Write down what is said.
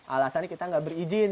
alasan kita enggak berizin